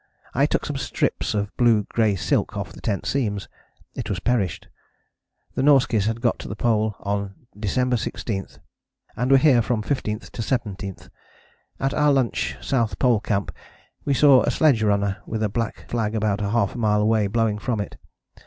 I took some strips of blue grey silk off the tent seams: it was perished. The Norskies had got to the Pole on December 16, and were here from 15th to 17th. At our lunch South Pole Camp we saw a sledge runner with a black flag about ½ mile away blowing from it.